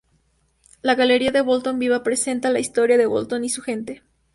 La Galería de Bolton Viva presenta la historia de Bolton y su gente.